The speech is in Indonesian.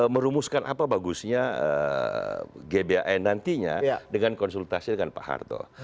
merumuskan apa bagusnya gbhn nantinya dengan konsultasi dengan pak harto